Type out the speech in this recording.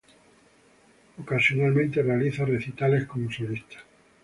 Ocasionalmente realiza recitales como solista.